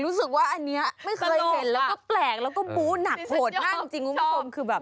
รู้สึกว่าอันนี้ไม่เคยเห็นแล้วก็แปลกแล้วก็บู้หนักโหดมากจริงคุณผู้ชมคือแบบ